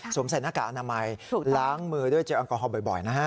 ใส่หน้ากากอนามัยล้างมือด้วยเจลแอลกอฮอลบ่อยนะฮะ